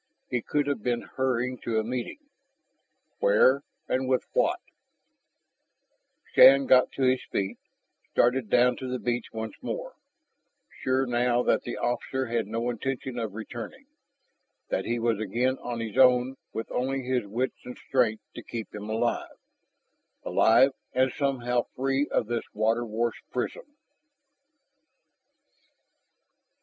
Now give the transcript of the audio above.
He could have been hurrying to a meeting. Where and with what? Shann got to his feet, started down to the beach once more, sure now that the officer had no intention of returning, that he was again on his own with only his wits and strength to keep him alive alive and somehow free of this water washed prison.